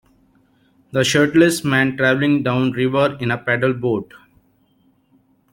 A shirtless man traveling down river in a paddle boat